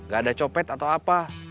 gak ada copet atau apa